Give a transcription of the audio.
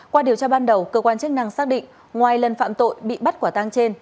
qua điều tra ban đầu cơ quan chức năng xác định ngoài lần phạm tội bị bắt quả tang trên